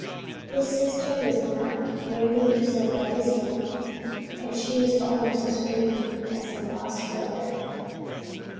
His sister was not nearly so bright as he, and she was almost as greedy as the lost brother.